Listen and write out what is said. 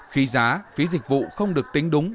khi giá phí dịch vụ không được tính đúng